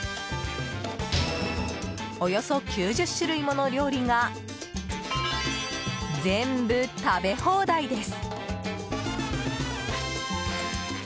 およそ９０種類もの料理が全部、食べ放題です。